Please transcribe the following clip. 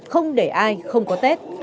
hay không có tết